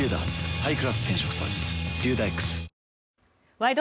「ワイド！